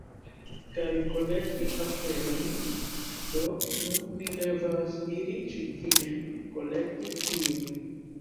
kaj kolekti aferojn, do nun mi devas iri ĉi tien, kolekti tiun…